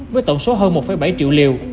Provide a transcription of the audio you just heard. với tổng số hơn một bảy triệu liều